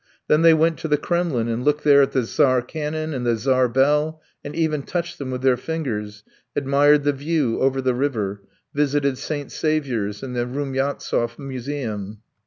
Then they went to the Kremlin and looked there at the Tsar cannon and the Tsar bell, and even touched them with their fingers, admired the view over the river, visited St. Saviour's and the Rumyantsev museum.